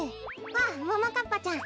あももかっぱちゃん。